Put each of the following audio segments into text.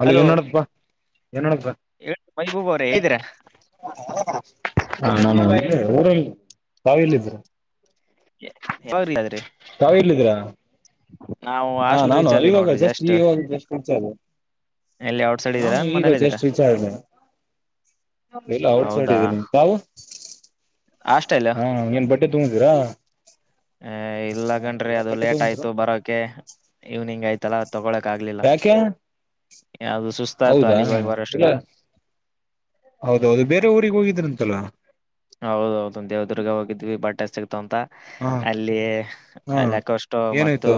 Hello ಏನ್ ನಡೆದಪ್ಪ ಏನ್ ನಡೆದದ. ಹೇಳಿ ಮೈಬೂಬ್ ಅವ್ರೆ ಹೇಗಿದ್ದೀರಾ ಹಾ ನ ಊರಲ್ಲಿ ತಾವೆಲ್ಲಿ ಇದ್ದೀರಾ. ಯಾವಾಗ ರೀಚ್ ಆದ್ರಿ ತಾವ್ ಎಲ್ಲಿದಿರಾ. ನಾವು ಹಾ ಹಾಸ್ಟೆಲ್ ನಾನು ರೀಚ್ ಆದ್ವಿ ಇವಾಗ ನೋಡ್ರಿ ಜಸ್ಟ್ ಈವಾಗ ಜಸ್ಟ್ ರೀಚ್ ಆದ್ವಿ ಎಲ್ಲಿ ಔಟ್ ಸೈಡ್ ನಾನು ಇದೀರಾ ಈಗ ಮನೇಲಿ ಇದೀರಾ ಜಸ್ಟ್ ರೀಚ್ ಆದ್ವಿ ಇಲ್ಲ ಔಟ್ ಸೈಡ್ ಹೌದಾ ಇದೀನಿ ತಾವು ಹಾ ಏನ್ ಬಟ್ಟೆ ತಗೊಂಡ್ ಇದ್ದೀರಾ. ಹೇ ಇಲ್ಲ್ ಕಣ್ರೀ ಅದು ಬಟ್ಟೆ ಲೇಟ್ ತಗೊಂಡಿದ್ದೀರಾ ಆಯ್ತು ಬರೋಕೆ. ಈವನಿಂಗ್ ಆಯ್ತಲ್ಲ. ತಗೊಳಕ್ ಆಗ್ಲಿಲ್ಲ ಯಾಕೆ ಯಾವ್ದು ಸುಸ್ತಾಯ್ತು ಹೌದಾ ಅಲ್ಲಿಗೆ ಹೋಗಿ ಬರೋಷ್ಟಿಗೆ ಹೌದೌದು ಬೇರೆ ಊರಿಗೆ ಹೋಗಿದ್ರಂತಲ್ಲ. ಹೌದೌದು ದೇವ್ದುರ್ಗ ಹೋಗಿದ್ವಿ [unintelligible] ತೊಂತ ಹಾ ಅಲ್ಲಿ ಹಾ ಅಲ್ಲಿ ಕೋಷ್ಟು ಮತ್ತು ಏನಾಯ್ತು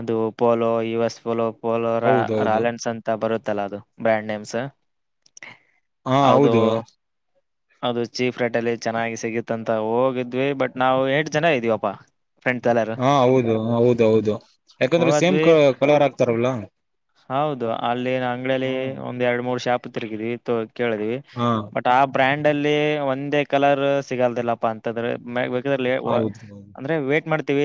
ಅದು ಪೋಲೋ ಯು ಎಸ್ ಪೋಲೋ ಪೋಲೋರಾ ಹೌದೌದು ರಾಲೆನ್ಸ್ ಅಂತ ಬರುತ್ತೆ ತ್ತಲ ಅದು ಬ್ರ್ಯಾಂಡ್ ನೇಮ್ಸ್ ಹಾ ಅದು ಹೌದು ಅದು ಚೀಪ್ ರೇಟ್ ಅಲ್ಲಿ ಚೆನ್ನಾಗಿ ಸಿಗತ್ತಂತ ಹೋಗಿದ್ವಿ ಬಟ್ ನಾವು ಎಂಟು ಜನ ಇದೀವಪ್ಪಾ ಫ್ರೆಂಡ್ಸ್ ಎಲ್ಲಾರು ಹಾ ಹೌದು ಹೌದೌದು ಯಾಕಂದ್ರೆ ಸೇಮ್ ಹೋದ್ವಿ ಕಲರ್ ಹಾಕ್ತಾರಲ್ಲ ಹೌದು ಹ್ಮ [unintelligible] ಕೇಳಿದಿವಿ ಬಟ್ ಆ ಬ್ರ್ಯಾಂಡ್ ಲ್ಲಿ ಒಂದೇ ಕಲರ್ ಸಿಗಲ್ದಿಲ್ಲಪ್ಪ ಅಂತ್ ದ್ರೆ ಹೌದು ಅಂದ್ರೆ ವೇಟ್ ಮಾಡ್ತ್ ತೀವಿ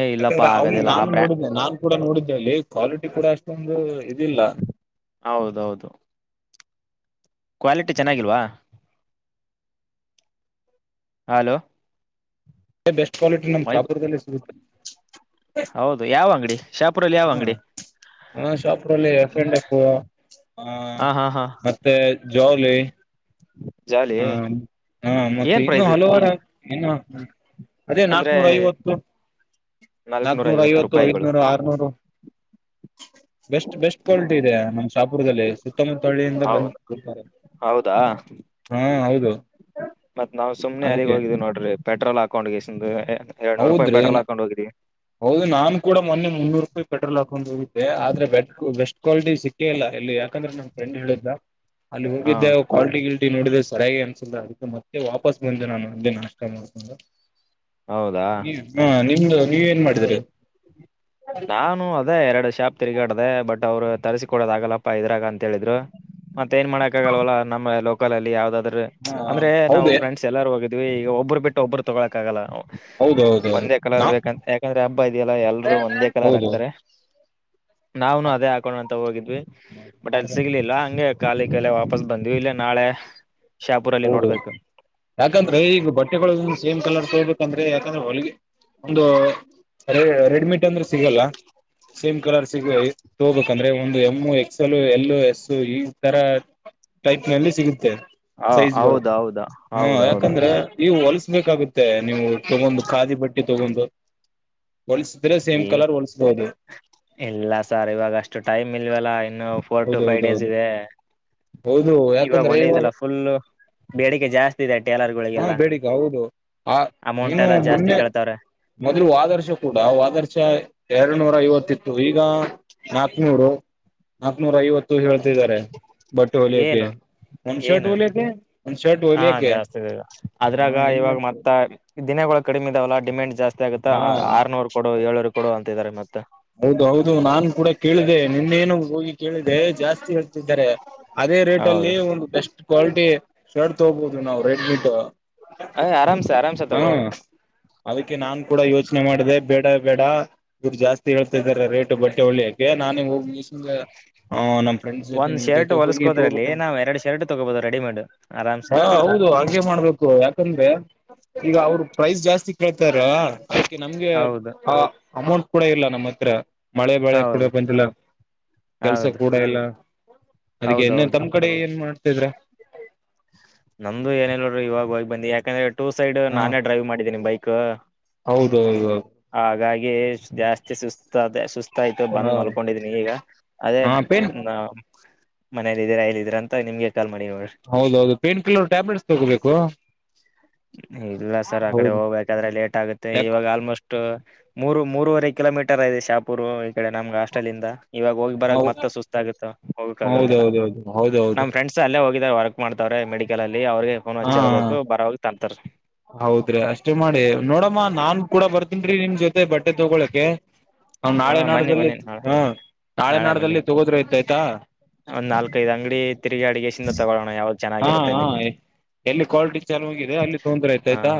ಏ ಇಲ್ಲಪ್ಪಾ ಯಾಕಂದ್ರೆ ಅವನು ಆಗದಿಲ್ಲ ಆ ನಾನು ಬ್ರ್ಯಾ ನೋಡಿದ್ದೆ ನಾನ್ ಕೂಡ ನೋಡಿದ್ದೆ ಅಲ್ಲಿ ಕ್ವಾಲಿಟಿ ಕೂಡ ಅಷ್ಟೊಂದು ಇದಿಲ್ಲ ಹೌದೌದು ಕ್ವಾಲಿಟಿ ಚೆನ್ನಾಗಿಲ್ವಾ ಹಲೋ ಬೆಸ್ಟ್ ಕ್ವಾಲಿಟಿ ನಮ್ ವೈಬ್ ಶಾಪುರ್ದಲ್ಲಿ ಸಿಗುತ್ತೆ ಹೌದು ಯಾವ ಅಂಗಡಿ ಶಾಪುರಲ್ಲಿ ಯಾವ ಹ್ಮ ಅಂಗಡಿ ಹಾ ಶಾಪುರ ಅಲ್ಲಿ ಎಫ್ ಅಂಡ್ ಎಫ್ ಆ ಹಾ ಹಾ ಹಾ ಮತ್ತೆ ಜೋಲೇ [inaudible] ಹಾ ಹಾ ಮತ್ತೆ ಏನ್ ಇನ್ನು ಪ್ರೈಸ್ ಹಲವಾರು ಇನ್ನು ಹ್ಮ್ ಅದೇ ಅಂದ್ರೆ ನಾಕ್ನೂರ ಐವತ್ತು ನಾಲ್ಕನೂರ ನಾಕ್ನೂರ ಐವತ್ತು ರೂಪಾಯಿಗಳು ಐದನೂರು ಆರ್ನೂರು ಬೆಸ್ಟ್ ಬೆಸ್ಟ್ ಕ್ವಾಲಿಟಿ ಇದೆ ನಮ್ಮ ಶಾಪುರ್ದಲ್ಲಿ ಸುತ್ತಮುತ್ತಳ್ಳಿಯಿಂದ ಹೌದು ಬಂದ್ ಹಾ ಹೌದು ಮತ್ತ್ ನಾವು ಸುಮ್ನೆ ಅಲ್ಲಿಗ್ ಅದಕ್ಕೆ ಹೋಗಿದೀವಿ ನೋಡ್ರಿ ಪೆಟ್ರೋಲ್ ಹಾಕೊಂಡ್ ಹೋಗಿ [unintelligible] ಎರ್ಡ್ನೂರ್ ರೂಪಾಯಿ ಹೌದ್ರಿ ಪೆಟ್ರೋಲ್ ಹಾಕೊಂಡ್ ಹೋಗಿದಿವಿ ಹೌದು ನಾನ್ ಕೂಡ ಮೊನ್ನೆ ಮುನ್ನೂರು ರೂಪಾಯಿ ಪೆಟ್ರೋಲ್ ಹಾಕೊಂಡು ಹೋಗಿದ್ದೆ ಆದ್ರೆ ಬೆ ಬೆಸ್ಟ್ ಕ್ವಾಲಿಟಿ ಸಿಕ್ಕೇ ಇಲ್ಲ ಇಲ್ಲಿ ಯಾಕಂದ್ರೇ ನನ್ ಫ್ರೆಂಡ್ ಹೇಳಿದ್ದ ಅಲ್ಲಿ ಹಾ ಹೋಗಿದ್ದೆ ಅವು ಕ್ವಾಲ್ಟಿಟಿ ಗಿಲ್ಟ್ ಟಿ ನೋಡಿದ್ರೆ ಸರಿಯಾಗಿ ಅನ್ಸಿಲ್ಲ ಅದಕೆ ಮತ್ತೆ ವಾಪಸ್ ಬಂದೆ ನಾನು ಅಲ್ಲೇ ನಾಷ್ಟ ಮಾಡ್ಕೊಂಡು ಹೌದಾ [unintelligible] ಹ ನೀವ ಏನ್ ಮಾಡಿದೀರ ನಾನು ಅದೇ ಎರಡು ಶಾಪ್ ತಿರುಗಾಡ್ದ ಬಟ್ ಅವರು ತರಿಸಿ ಕೊಡದ ಆಗಲ್ಲಪ್ಪ ಇದ್ರಾಗ ಅಂತ ಹೇಳಿದ್ರು ಮತ್ತ ಏನ್ ಮಾಡಕ್ ಆಗಲ್ವಲ್ಲ ನಮ್ಮ ಲೋಕಲ್ ಅಲ್ಲಿ ಯಾವದಾದ್ರರು ಹಾ ಅಂದ್ರೆ ನಾವು ಹೌದೇ ಫ್ರೆಸ್ ಎಲ್ಲಾರು ಹೋಗಿದ ಇದು ಈಗ ಒಬ್ಬರು ಬಿಟ್ಟು ಒಬ್ಬರು ತೊಗೊಕ್ಕಾಗಲ್ಲ ಹೌದೌದೌದು ಒಂದೇ ಕಲರ್ ನಾ ಬೇಕಂತ ಯಾಕಂದ್ರ ಇದೆಯಲ್ಲ ಎಲ್ಲರೂ ಒಂದೇ ಕಲರ್ ಹೌದು ಆಗ್ತಾರೆ ನಾನು ಅದೇ ಹಾಕೊಂಡ್ ಅಂತ ಹೋಗಿದ್ವಿ ಬಟ್ ಅಲ್ಲಿ ಸಿಗ್ಲಿಲ್ಲ ಹಂಗೆ ಕಾಲಿ ಕಲ್ಲ ವಾಪಸ್ ಬಂದ್ ಇ ಹೌದು ಯಾಕಂದ್ರೆ ಈಗ ಬಟ್ಟೆಗಳ ಸೇಮ್ ಕಲರ್ ತಗಬೇಕು ಯಾಂದ್ರೆ ಯಾಕಂದ್ರೆ ಹೊಲಗೆ ಒಂದು ರೇ ರೆಡ್ಮೀಟ್ ಅಂದ್ರೆ ಸಿಗಲ್ಲ ಸೇಮ್ ಕಲರ್ ಸಿಗ ತಗೋಬೇಕಂದ್ರೆ ಒಂದು ಎಮ ಎಕ್ಸ್ಲ್ ಎಲ್ಲು ಎಸ್ ಈ ತರ ಟೈಪ್ ನಲ್ಲಿ ಸಿಗುತ್ತೆ ಹ ಸೈಜ್ಗಳು ಹೌದೌದು ಹಾ ಹೌದೌದು ಯಾಕಂದ್ರೆ ಈ ಹೊಲ್ಸ ಬೇಕಾಗುತ್ತೆ ನೀವು ತಗೊಂಡ್ ಖಾದಿ ಬಟ್ಟಿ ತಗೊಂಡು ಹೊಲಸಿದ್ರೆ ಸೇಮ್ ಕಲರ್ ಹೊಲಸ್ಬಹುದು ಎಲ್ಲ ಸಾರ್ ಇವಾಗ ಅಷ್ಟು ಟೈಮ್ ಇಲ್ವಲ್ಲ ಇನ್ನು ಫೋರ್ ಟು ಫೈವ್ ಡೇಸ್ ಹೌದೌದೌದು ಇದೆ ಹೌದು ಇವಾಗ ಯಾಕಂದ್ರೆ ಒಲದೆಲ್ಲ ಫುಲ್ಲ ಬೇಡಿಕೆ ಜಾಸ್ತಿ ಇದೆ ಹಾ ಟೇಲರ್ಗಳಿಗೆಲ್ಲ ಬೇಡಿಕೆ ಹೌದು ಆ ಅಮೌಂಟ್ ನೀನು ಎಲ್ಲ ಜಾಸ್ತಿ ಕೇಳ್ತವ್ರೆ ನಾವು ಆದರ್ಶ ಎರಡು ನೂರ ಐವತ್ತಿತ್ತು ಈಗ ನಾ ಡ ನಾಕನೂರ ಐವತ್ತು ಹೇಳ್ತಿದ್ದಾರೆ ಬಟ್ಟೆ ಹೊಲಿಯಕ್ಕೆ ಏನು ಒಂದ್ ಶರ್ಟ್ ಏನು ಹೊಲಿಯಕ್ಕೆ ಒಂದ್ ಶರ್ಟ್ ಹಾ ಹೊಲಿಯಕ್ಕೆ ಜಾಸ್ತಿ ಹಾ ಅದ್ರಾಗ ಏನ್ ಇವಾಗ ಮಾಡ್ತಾರೆ ಮತ್ತ ದಿನಗಳ ಕಡಿಮೆ ಇದಾವಲ್ಲ ಡಿಮ್ಯಾಂಡ್ ಜಾಸ್ತಿ ಮ ಆಗುತ್ತಾ ಹಾ ಆರ್ನೂರ್ ಕೊಡು ಏಳರು ಕೊಡು ಅಂತಾರೆ ಮತ್ತೆ ಹೌದು ಹೌದು ನಾನ್ ಕೂಡ ಕೇಳಿದೆೆ ನಿನ್ನೇನು ಹೋಗಿ ಕೇಳಿದೆ ಜಾಸ್ತಿ ತಿದ್ದಾರೆ ಅದೇ ರೇಟ್ ಹೌದು ಅಲ್ಲಿ ಒಂದು ಬೆಸ್ಟ್ ಕ್ವಾಲಿಟಿ ಶರ್ಟ್ ತೋಗಬಹುದು ನಾವವು ರೆಡ್ ಮಟ್ ಅ ಆರಾಮ್ಸೆ ಆರಾಮ್ಸೆ ಹಾ ತಗೋಬಹುದು ಅದಕ್ಕೆ ನಾನ್ ಕೂಡ ಯೋಚನೆ ಮಾಡಿದೆ ಬೇಡ ವಡ ಗುರ್ಜಾಸ್ತಿ ಹೇಳ್ತ ಇದಾರೆ ರೇಟ್ ಬಟ್ಟೆಳ್ಳೆ ನಾನೇ ಹೋಗ ನಮ್ ಫ್ರೆಂಡ್ ಜೊತೆ ಒಂದ್ ನಿ್ ಶರ್ಟ್ ಜೊತೆ ಹೋಗಿ ಹೊಲಸ್ಕೋದ್ರಲ್ಲಿ ಹೋಗ್ಬ ನಾವ್ ಎರಡ್ ಶರ್ಟ್ ತಗೋಬಹುದು ರೆಡಿಮೇಡ್ ಆರಾಮ್ಸೆ ಹ ಹೌದು ಹಾಗೆ ಮಾಡ್ಬೇಕು ಯಾಕಂದ್ರೆ ಈಗ ಅವರು ಪ್ರೈಸ್ ಜಾಸ್ತಿ ಕೇಳ್ತಾರ ಅದಕ್ಕೆ ನಮ್ಗೆ ಹೌದು ಅಮೌಂಟ್ ಕೂಡ ಇಲ್ಲ ನಮ್ಮ ಹತ್ರ ಮಳೆ ಬಳೆ ಹೌದು ಕೊಡಪ್ಪಂತಲ್ಲ ಕೆಲ್ಸ ಹೌದು ಕೂಡ ಇಲ್ಲ ಅದಕ್ಕೆನ್ ಹೌದೌದು ತಮ್ಮ್ ಕಡೆ ಏನ್ ಮಾಡ ಿದ್ರ ನಮ್ದು ಏನಲ್ರು ಇವಾಗ ಹೋಗಿ ಬಂದಿ ಯಾಕಂದ್ರೆ ಟು ಸೈಡ್ ನಾನ ಡೈವ್ ಮಾಡಿದ್ದೀಿ ಬೈಕ್ ಕಾ ಹೌದೌದೌದು ಜಾಸ್ತಿ ಸುಸ್ತ ಸುಸ್ ಗತಾಯ್ತು ಬಂದ್ ಹ ಮಲ್ಕೊಂಡಿದ್ನಿ ಈಗ ಅದೇ ಹ ಪೇನ್ ನ ಮನೇಲಿ ಇದರಾ ಅಲ್ಲ ಇದೀರ ಅಂತ ನಿಮ್ಗೆ ಎಟಲ್ ಮಣಿಯೂರ್ ಹೌದೌದು ಪೇನ್ ಕಿಲ್ಲರ್ ಟ್ಯಾಬ್ಲೆಟ್ಸ್ ತಗೋಬೇಕು ಇಲ್ಲ ಸರ್ ಆ ಕಡೆ ಹೌದು ಹೋಗ್ಬೇಕಾದ್ರೆ ಲೇಟ್ ಆಗುತ್ತೆ ಯಾಕ ಇವಾಗ ಆಲ್ಮೋಸ್ಟ್ ಮೂರು ಮೂರವರೆ ಕಿಲೋಮೀಟರ್ ಇದೆ ಶಾಪುರು ಕಡೆ ನಮ್ಗೆ ಹಾಸ್ಟೆಲ್ ಇಂದ ಇವಾಗ ಹೋಗಿ ಬರಕ್ ಮತ್ತೆ ಸುಸ್ತ ಆಗುತ್ತೆ ಹೋಗಕ್ ಆಗೋದಿಲ್ಲ ಹೌದೌದೌದು ಹೌದೌದು ನಮ್ ಫ್ರೆಂಡ್ಸ್ ಅಲ್ಲೇ ಹೋಗಿದಿದ್ದಾರೆ ಹೊರ ಮಾಡ್ತಾವ್ರೆ ಮೆಡಿಕಲ್ ಅಲ್ಲಿ ಅವ್ರಿಗೆ ಫೋನ್ ಹಾ ಹಚ್ಚಿ ಹೇಳ್ಬೇಕು ಬರ ತಂತ ಹೌದ್ರಿ ಅಷ್ಟೇ ಮಾಡಿ ನೋಡಮ್ಮ ನಾನ್ ಕೂಡ ಬರ್ತನ್ೀ ನಿಮ್ ಜೊತೆ ಮತ್ತ ಬಟ್ಟೆ ತಗೊಳಕ್ಕೆೆ ನ್ ಹಾ ನಾಳೆ ಬನ್ನಿ ನಾಡದಲ್ಲಿ ಬನ್ನಿ ನಾಳೆ ಹ ನಾಳೆ ನಾಡದಲ್ಲಿ ತಗೋದ್ರೆ ಇದ್ದ ಆಯ್ತಾ ಒಂದ್ ನಾಲ್ಕೈದು್ ಅಂಗಡಿ ತಿರ್ಗಿ ಅಡಿಗೆಿಂದ ತಗೊಳ್ಳಳೋಣ ಯಾವ್ದ ಹಾ ಚೆನ್ನಾಗಿರುತ್ತೆ ಹಾ ಅಲ್ಲಿ ಎಲ್ಲಿ ಕ್ವಾಲಿಟಿ ಚೆನ್ನಾಗಿದೆ ಅಲ್ಲಿ ತೊಂದ್ರೆ ಆಯ್ತ ಹ ಆಯ್ತಾ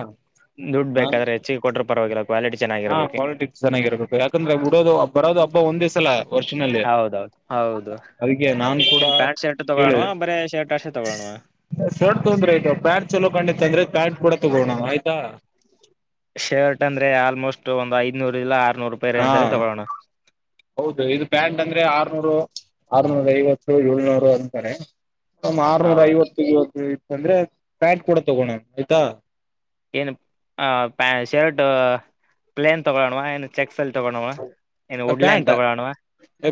ಹ ದುಡ್ಬೇಕಾದ್ರೆ ಹೆಚ್ಚಿಗೆ ಕೊಟ್ರ ಪರವಾಗಿಲ್ಲ ಕ್ವಾಲಿಟಿ ಹಾ ಚೆನ್ನಾಗಿರ್ಬೇಕು ಪಾಲಿಟಿಕ್ಸ್ ಚೆನ್ನಾಗಿರ್ಬೇಕು ಯಾಕಂದ್ರೆ ಉಡೋದು ಬರೋದು ಹಬ್ಬ ಒಂದ ದಿವಸಲಲ್ಲ ವರ್ಷಿನಲ್ಲಿ ಹೌದೌದು ಹೌದು ಅದಕ್ಕೆ ನಾು ಕೂಡ ಏನ್ ಪ್ಯಾಂಟ್ ಶರ್ಟ್ ಕೇಳ ತಗೊಳೋಣವಾ ಬರೇ ಶರ್ಟ್ ಅಷ್ಟೇ ತಗೊಳೋಣವಾ ಶರ್ಟ್ ತೊಂದ್ರೆ ಆಯತ ಪ್ಯಾಂಟ್ ಚಲೋ ಕಂಡ ಅಂದ್ರೆ ಪ್ಯಾಂಟ್ ಕೂಡ ತಗೋಣ ಆಯ್ತಾ ಶರ್ಟ್ ಅಂದ್ರೆ ಆಲ್ಮೋಸ್ಟ್ ಒಂದು್ ಐದನೂರ್ ಇಲ್ಲ ಆ ಹಾ ಹೌದು ಇದು ಪ್ಯಾಂಟ್ ಅಂದ್ರೆ ಆರ್ನೂರು ಐವತ್ತು ಏಳ್ನೂರು ಅಂತಾರೆ ಸಮ್ ಆರ್ನೂರ ಹೌದು ಐವತ್ತಿಗೆ ಅಂದ್ರೆ ಪ್ಯಾಂಟ್ ಕೂಡ ತಗೋಣ ಆಯ್ತಾ ಏನು ಶರ್ಟ್ ಪ್ಲೇನ್ ತಗೋಲಾಣ್ವ ಚೆಕ್ ಪ್ಯಾಂಟ್ ತಗೊಳೋಣವಾ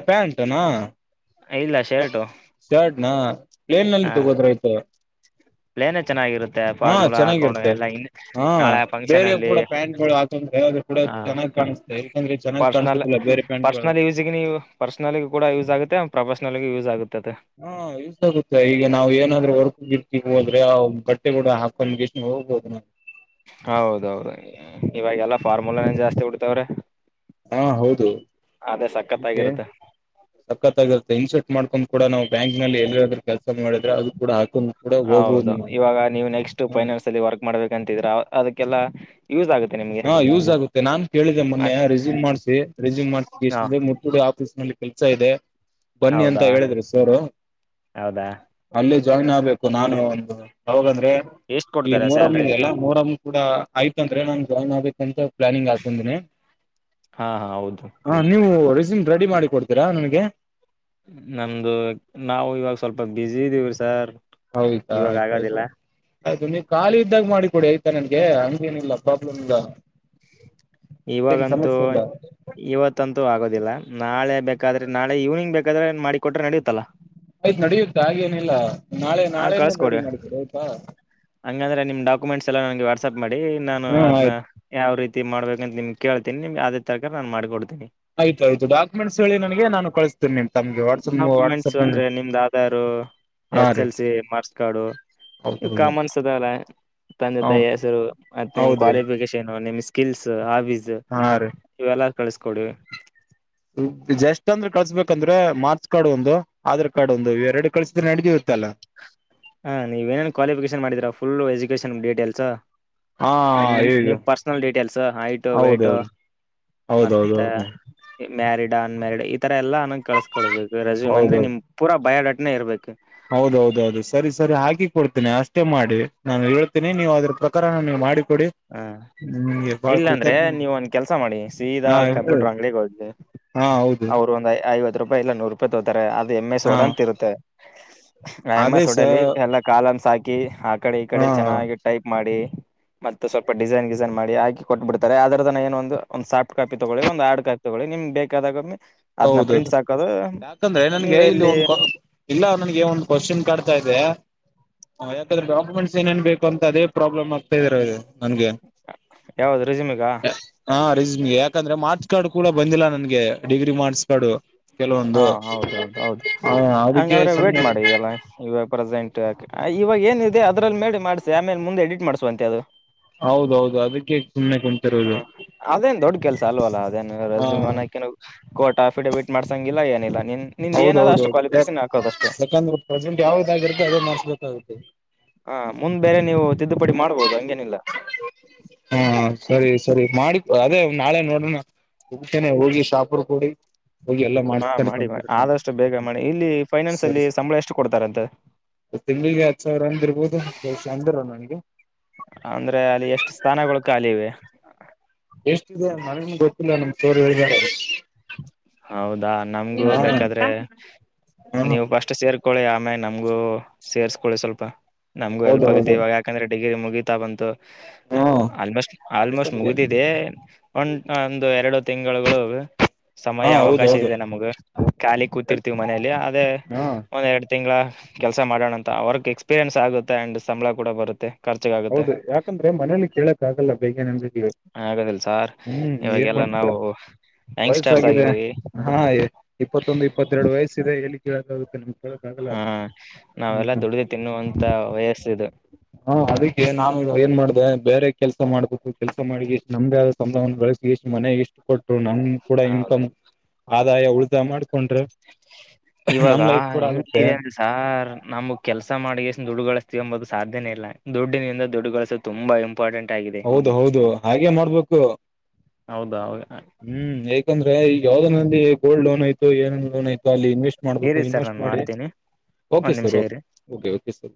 ಪ್ಯಾಂಟ್ನಾ ಇಲ್ಲ ಶರ್ಟು ಪ್ಲೇನ್ಲ್ಲಿ ತಗೋದ್ರೆ ಆಯ್ತು ಪ್ಲೇನ ಚೆನ್ನಾಗಿರುತ್ತೆ ಫಾರ್ಮುಲಾ ಹಾಕೊಂಡ್ ಚೆನ್ನಾಗಿರುತ್ತೆ ಎಲ್ಲ ಇ ಹಾ ನಾಳೆ ಫಂಕ್ಷನ್ ಬೇರೆ ಅಲ್ಲಿ ಕೂಡ ಪ್ಯಾಂಟ್ ಗಳು ಹಾಕಂದ್ರೆ ಅದು ಕೂಡ ಹ ಚೆನ್ನಾಗ್ ಕಾಣಿಸುತ್ತೆ ಯಾಕಂದ್ರೆ ಚೆನ್ನಾಗ್ ಪರ್ಸನಲ್ ಕಾಣಸೋದಿಲ್ಲ ಬೇರೆ ಪ್ಯಾಂಟ್ ಗಳು ಪರ್ಸನಲ್ ಯೂಸ ನೀವು ಪರ್ಸನಲ್ ಕೂಡ ಯೂಸ್ ಆಗುತ್ತೆ ಪ್ರೊಫೆಷನಲ್ ನಲಿಗೂ ಯೂಸ್ ಆಗುತ್ತೆ ಹಾ ಯೂಸ್ ಆಗುತ್ತಾ ಈಗ ನಾವ್ ಏನಾದ್ರೂ ವರ್ಕ್ ಗಿರ್ಕ್ ಹೋದ್ರೆ ಬಟ್ಟೆ ಕೂಡ ಹಾಕೊಂಡ ಇಷ್ಟ ಹೋಗ್ಬೋದು ನಾವು ಹೌದೌದು ಇವಾಗಲ್ಲಾ ಫಾರ್ಮುಲಾ ಜಾಸ್ತಿ ಉಡ್ತವ್ರೆ ಹಾ ಹೌದು ಕತ್ತಾಗಿರುತ್ತೆ ಸಖತಾಗಿರುತ್ತೆ ಇಂಶರ್ಟ್ ಮಾಡ್ಕೊಂಡ ಕೂಡ ನಾವು ಬ್ಯಾಂಕ್ಲ್ಲಿ ಎಲ್ಲಿರೋದ್ರ ಕೆಲಸ ಮಾಡಿದ್ರೆ ಅದು ಕೂಡ ಹಾಕೋ ಹೌದು ಇವಾಗ ನೀವು ನೆಕ್ಸ್ಟ್ ಫೈನಾನ್ಸ್ ಅಲ್ಲಿ ವರ್ಕ್ ಮಾಡ್ಬೇಕಂತಿದ್ರ ಅದಕ್ಕೆಲ್ಲ ಯೂಸ್ ಆಗುತ್ತೆ ನಿಮ್ಗೆ ಹಾ ಯೂಸ್ ಆಗುತ್ತೆ ನಾನ್ ಕೇಳಿದ್ದಿದೆ ಮೊನ್ನೆ ರೆಸ್ಯೂಮ್ ಮಾಡಸಿ ರೆಸ್ಯೂಮ್ ಮಾಡ್ಸ ಹಾ ಎಷ್ಟು ಮುಟ್ಟ ಆಫೀಸ್ ನಲ್ಲಿ ಕೆಲ್ಸ ಇದೆ ಬನ್ನಿ ಅಂತ ಹೌದಾ ಹೇಳಿದ್ರರು ಸರ್ ಹೌದಾ ಅಲ್ಲಿ ಜಾಯಿನ್ ಆಗ್ಬೇಕು ನಾನು ಒಂದು ಹೌದ್ರದ್ರೆ ಎಷ್ಟ್ ಈ ಕೊಡ್ತಾರೆ ಮೊರಂ ಸ್ಯಾಲ್ರಿ ಇದಿಯಲ್ಲ ಮೊರಂ ಕೂಡ ಆಯ್ತ ಅಂದ್ರೆನ ಜಾಯಿನ್ ಆಗಬೇಕ ಅಂತ ಪ್ಲಾನಿಂಗ್ ಹಾಕದಿನಿ ಹಾ ಹಾ ಹೌದು ಹ ನೀವು ರೇಸುಮೆ ರೆಡಿ ಮಾಡಿ ಕೊಡ್ತೀರಾ ನನ್ಗೆ ನಮ್ದು ನಾವು ಇವಾಗ ಸ್ವಲ್ಪ ಬ್ಯಿಸಿ ಇದೀವಿ ಸರ್ ಹೌದ ಇವಾಗ ಆಗೋದಿಲ್ಲ ಸರಿ ಆಯ್ತು ನೀ ಖಾಲಿ ಇದ್ದಾಗ ಮಾಡಿಕೊಡಿ ಆಯ್ತಾ ನನ್ಗೆ ಹಂಗೇನಿಲ್ಲ ಪ್ರಾಬ್ಲಮ್ ಇಲ್ಲ. ಏನ್ ಇವಾಗಂತೂ ಸಮಸ್ಯೆ ಇಲ್ಲ ಇವತ್ತಂತೂ ಆಗೋದಿಲ್ಲ ನಾಳೆ ಬೇಕಾದ್ರೆ ನಾಳೆ ಇವ್ನಿಂಗ್ ಬೇಕ. ಕದ್ರೆ ಏನ್ ಮಾಡಿ ಕೊಟ್ರೆ ನಡೆಯುತ್ತಲ್ಲ. ಆಯ್ತ್ ನಡೆಯುತ್ತೆ ಹಾಗೇನಿಲ್ಲ. ನಾಳೆ ಹಾ ನಾಳೆನೇ ರೆಡಿ ಕಳ್ಸ್ಕೊಡಿ ಮಾಡಿಕೊಡಿ ಆಯ್ತಾ ಹಂಗಂದ್ರೆ ನಿಮ್ ಡಾಕ್ಯುಮೆಂಟ್ಸ್ ಎಲ್ಲ ವಾಟ್ಸಪ್ ಮಾಡಿ ನಾನು ಹ್ಮ್ ಅದ್ನ ಆಯ್ತು ಯಾವ ರೀತಿ. ತಿ ಮಾಡ್ಬೇಕ ಅಂತ ನಿಮಗ ಕೇಳ್ತಿನಿ ನಿಮ್ ಅದೇ ತಕರ ನಾನ್ ಮಾಡಿಕೊಡತೀನಿ. ಆಯ್ತ ಆಯ್ತು ಡಾಕುಮೆಟ್ಸ್ ಹೇಳಿ ನನಗೆ ನಾನು ಕಳಸ್ ಡಾಕ್ಯುಮೆಂಟ್ಸ್ ಅಂದ್ರೆ ನಿಮ್ದ್ ಆಧಾರ ಹಾ ಎಸ್ ರೀ ಎಲ್ ಸಿ ಮಾರ್ಕ್ಸ್ ಕಾರ್ಡು ಈ ಹೌದು ಕಾಮನ್ಸ್ ಅದಲ್ಲ ತಂದೆ ಹ ತಾಯಿ ಹೆಸರು ಮತ್ತ ನಿಮ್ ಹೌದ್ರಿ ಕ್ವಾಲಿಫಿಕೇಶನ್ ನಿಮ್ ಸ - ಕಿಲ್ಸ್ ಹಾಬೀಸ್. ಸು ಹಾ ರೀ ಇವೆಲ್ಲ. ಕಳಿಸಕೊಡಿ. ಜಸ್ಟ್ ಅಂದ್ರೆ ಕಳ್ಸ್ಬೇಕಂದ್ರೆ ಮಾರ್ಕ್ಸ್ ಕಾರ್ಡ್ ಒಂದು ಆಧಾರ್ ಕಾರ್ಡ್ ಒಂದು ಇವೆರಡು ಕಳಸಿದ್ರೆ ನಡೆತಿವ್. ಹಾ ನೀವ ಏನ್ ಕ್ವಾಲಿಫಿಕೇಶನ್ ಮಾಡಿದೀರಾ ಫುಲ್ ಎಜುಕೇಷನ್. ಡಿಟೈಲ್ಸ್ ಹಾ ಅಂಡ್ ನಿಮ್ ಈಗ ನಿಮ್ಮ ಪರ್ಸನಲ್ ಡೀಟೇಲ್ಸ್ ಹೈಟು ವೇಟು ಹೌದೌದು ಮತ್ತ. ಹೌದೌದು ಮ್ಯಾರಿಡಾ ಅನ್ ಮ್ಯಾರಿಡಾ ಇ ತರ ಎಲ್ಲ ನಗೆ ಕಳ್ಸ್ಕೊಳ್ಬೇಕು ರೆಸ್ಯೂಮ್ ಅಂದ್ರೆ ಹೌದೌದು ನಿಮ್ ಪೂರ ಬಯೋಡಾಟ. ಇನ್ನ ಇರಬೇಕ. ಹೌದೌದೌದು ಸರಿ ಸರಿ ಹಾಕಿ ಕೊಡ್ತೇನೆ ಅಷ್ಟೇ ಮಾಡಿ ನಾನು ಹೇಳ್ತೇನೆ ನೀವು ಅದ್ರ ಪ್ರಕಾರ ನೀವು ಮಾಡಿ ಹ್ಮ ಇಲ್ಲ ಅಂದ್ರೆ ಕೃತಜ್ಞ ನೀವ ಒಂದ ಕೆಲ್ಸ ಮಾಡಿ ಸೀದಾ ಹಾ ಹೇಳಿ ಕಂಪ್ಯೂಟರ್ ಅಂಗ್ಡಿಗೆ ಹೋಗಿ ಹಾ ಹೌದು ಅವರು ಒಂದ್ ಐವತ್ತ ರೂಪಾ ಯಿ ಇಲ್ಲ ನೂರೂಪಯಿ ತೋತಾರೆ ಅದು. ಎಮ್ ಎಸ್ ಹಾ ವರ್ಡ್ ಅಂತ ಇರುತ್ತೆ. ಹ [inaudible] ಅದೇ ಎಮ್ಮಸ ಸ ವರ್ಡಲ್ಲಿ ಎಲ್ಲಾ ಕಾಲಂಸ್ ಹಾಕಿ. ಕೆ ಹಾ. ಈ ಕಡೆ ಈ ಹಾ ಕಡೆ ಚೆನ್ನಾಗಿ ಟೈಪ್ ಮಾಡಿ. ಮತ್ತು ಸ್ವಲ್ಪ ಡಿಸೈನ್ ಗಿಸೈನ್ ಮಾಡಿ ಹಾಕಿ ಕೊಟ್ಟಬಿಡ್ತಾರೆ ಅದರದನ ಏನ ಒಂದು ಸಾಫ್ಟ್ ಕಾಪಿ ತಗೊಳ್ಳಿ ಒಂದು ಹಾರ್ಡ್ ಕಾಪಿ ತಗೊಳ್ಳಿ ನಿಮ್ ಬೇಕಾದಾಗ ಹೌದೌದು ಯಾಕಂದ್ರೆ ನೀವ ನನ್ಗೆ ಇಲ್ಲ ಇಲ್ಲಿ ಒಂದ ಇಲ್ಲ ನನ್ಗೆ ಒಂದು ಕ್ವಶನ್ ಕಾಡ್ತಾ ಇದೆ. ಯಾಕಂದ್ರೆ ಡಾಕ್ಯುಮೆಂಟ್ಸ್ ಏನೇನ್ ಬೇಕು ಅಂತ ಅದೇ ಪ್ರಾಬ್ಲಮ್ ಆಗ್ತಾ ಇದ್ರ ನನ್ಗೆ ಯಾವ್ದ ರೆಸ್ಯೂಮಿಗಾ ಹಾ ರಿಜು ಹಿಂಗೆ ಕಂದ್ರೆ ಮಾರ್ಚ್ ಕಾರ್ಡ್ ಕೂಡ ಬಂದಿಲ್ಲ ನ ನನಗೆ. ಡಿಗ್ರಿ ಮಾಡಸ್ತಡು ಹಾ ಹೌದೌದು ಹೌದು ಅದಕ್ಕೆ ಹಂಗಾದ್ರೆ ವೇಟ್ ಸುಮ್ನೆ ಮಾಡಿ ಎಲ್ಲ ಈಗ ಪ್ರೆಸೆಂಟ್ ಇವಾಗ ಏನ ಇಿದೆ ಅದ್ರಲ್ಲಿ ಮೇಿ ಮಾಡ್ಸ ಆಮೇಲೆ ಮುಂದೆ ಎಡಿಟ್ ಮಾಡಸುವ ಅಂತೆ ಅದು ಹೌದೌದು ಅದಕ್ಕೆ ಸುಮ್ನೆ ಹ ಕುಂತಿರೋದು ಅದೇನ್ ದೊಡ್ ಕೆಲ್ಸ ಅಲ್ವಲ್ಲ ಅದೇನ್ ಹಾ ರಜುಮಾನಕ ಕೋರ್ಟ್ ಆಫಿಡವಿಟ್ ಮಾಡಸಂಗಿಲ್ಲ ಏನಿಲ್ಲ ನೀನ್ ಹೌದೌದೌದು ಯ ಯಾಕಂದ್ರೆ ಪ್ರೆಸೆಂಟ್ ಯಾವ್ದಾಗಿರುತ್ತೆ ಅದೇ ಮಾಡಸ್ಬೇಕಾಗುತ್ತೆ ಹ ಮುಂದ್ ಬೇರೆ ನೀವು ತಿದ್ದುಪಡಿ ಮಾಡ್ಬೋದು ಹಂಗೇನಿಲ್ಲ ಹಾ ಸರಿ ಸರಿ ಮಾಡಿ ಅದೇ ನಾಳೆ ನೋಡಣ ಹೋಗ್ತೇನೆ ಹೋಗಿ ಶಾಪರ್ ಕೊಡಿ ಹೋಗಿ ಎಲ್ಲ ಹಾ ಮಾಡತು ಮಾಡಿ ಮಾಡಿ ಕಂಪ್ಯೂ ಆದಷ್ಟು ಬೇಗ ಮಾಡಿ ಇಲ್ಲಿ ಫೈನಾನ್ಸ್ ಸರಿ ಅಲ್ಲಿ ಸಂಬಳ ಎಷ್ಟು ಕೊಡ್ತಾರಂತೆ ತಿಂಳಿಗೆ ಹತ್ ಸಾವಿರ ಅಂದ ಇರ್ಬೋದು ಬಸ ಅಂದ ನನ್ಗೆ ಅಂದ್ರೆ ಅಲ್ಲಿ ಎಷ್ಟು ಸ್ಥಾನಗಳು ಕಾಲ ಇವೆ ಎಷ್ಟಿದೆ ಮನನ್ ಗೊತ್ತಿಲ್ಲ ನಮ್ ಸೋರು ಹೇಳಿದ್ದಾರೆ ಹೌದಾ ನಮ್ಗೂ ಹಾ ಬೇಕಾದ್ರೆ ಹಾ ನೀವು ಫಸ್ಟ್ ಸೇರ್ಕೊಳ್ಳಿ ಆಮೇ ನಮ್ಗೂ ಸೇರ್ಸ್ಕೊಳ್ಳಿ ಸ್ವಲ್ಪ ನಮಗು ಹೌದು ಹೆಲ್ಪ್ ಆಗೆ ಹೌದು ಇವ ಯಾಕಂದೆ ಡಿಗ್ರ ಗ ತ ಬಂತ ಹಾ ಆಲ್ಮೋಸ್ಟ್ ಆಲ್ಮೋಸ್ಟ್ ಯಾಕಂದ್ರೆ ಮುಗಿದಿದೆ ಒಂ ಒಂದು ಎರಡುತ್ತು ತಿಂಗಳುಗಳು ಹಾ ಸಮಯ ಅವಕಾಶ ಹೌದೌದು ಇದೆ ನಮಗ ಖಾಲಿ ಕೂತಿರ್ತೀವಿ ಮನಲಿ ಅದೇ ಹಾ ಒಂದ್ ಎರಡ್ ತಿಂಗಳ ಕೆಲ್ಸ ಮಾಡೋಣ ಅಂತ ಅವರ್ಕ್ ಎಕ್ಸ್ಪೀರಿಯೆನ್ಸ್ ಆಗುತ್ತೆ ಅಂಡ್ ಸಂಬಳ ಕೂಡ ಬರುತ್ತೆ ಖರ್ಚಗಾಗುತ್ತೆ ಹೌದು ಯಾಕಂದ್ರೆ ಮನೇಲಿ ಕೇಳಕ್ಗಲ್ಲ ಬೇಗ ನನ್ ಆಗದಿಲ್ಲ ಸಾರ್ ಹ್ಮ್ ಏನ್ ಇವಾಗೆಲ್ಲ ಮಾಡ್ತಾರ ನಾವು ಯಂಗ್ಸ್ಟರ್ಸ್ ವಯಸ್ಸಾಗಿದೆ ಆಗಿದ್ದೀವಿ ಹಾ ಇಪ್ಪತ್ತೊಂದು ಇಪ್ಪತ್ತೆರಡು ವಯಸ್ಸ ಇದೆ ಾಗುತ್ತೆಮಗೆ ಹಾ ನಾವೆಲ್ಲ ದುಡ್ದು ತಿನ್ನುವಂತ ವಯಸ್ಸು ಏ ನಾ ಏನ್ ಮಾಡ್ದ ಬೇರೆ ಕೆಲಸ ಮಾಡ್ಬೇಕು ಕೆಲ್ಸ ಮಾಡಿ ಎಷ್ಟು ನಮ್ದಗೆ ಆದ ಸಂಭವನ್ನು ಬಳಸಿ ಎಷ್ಟು ಮನೆ ಎಷ್ಟು ಕೊಟ್ಟು ನಮ ಕೂಡ ಹೌದು ಇನ್ಕಮ್ ಆದ ಆದ ಒಳು ಇವಾಗ ನಮ್ ಲೈಫ್ ಕೂಡ ಹೆಂಗ ಇ ಆಗುತ್ತೆ ಅ ಸಾರ್ ನಮಗ್ ಕೆಲ್ಸ ಮಾಡಿಷ್ಟನ್ ದುಡುಗತ ಎಂಬುದು ಸಾಧ್ಯನೇ ಇಲ್ಲ ದುಡ್ಡಿನಿಂದ ದುಡ್ಡುಗೊಸೋ ತುಂಬಾ ಇಂಪಾರ್ಟೆಂಟ್ ಆಗಿದೆ ಹೌದು ಹೌದು ಹಾಗೆ ಮಾಡ್ಬೇಕು ಹೌದಾ ಹ್ಮ್ ಯಾಕಂದ್ರೆ ಈಗ ಯಾವ್ದ ನಲ್ಲಿ ಗೋಲ್ಡ್ ಲೋನ್ ಐತು ಏನೋ ಆಯತ ಅಲ್ಲಿ ಮಾಡ್ಬೇಕು ಇರಿ ಸರ್ ಇನ್ವೆಸ್ಟ್ ನಾನು ಮಾಡಿ ಮಾಡ್ತೀನಿ ಕೆ ಒಂದ್ ನಿಮಿಷ ಇರಿ ಸರ್